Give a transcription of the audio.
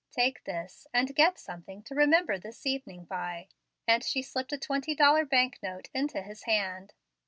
Take this and get something to remember this evening by"; and she slipped a twenty dollar bank note into his hand.